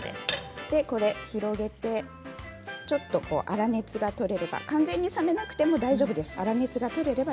これを広げて、粗熱が取れれば完全に冷めなくても大丈夫です。